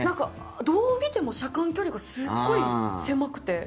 どう見ても車間距離がすごい狭くて。